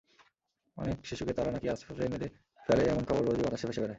অনেক শিশুকে তারা নাকি আছড়ে মেরে ফেলে—এমন খবর রোজই বাতাসে ভেসে বেড়ায়।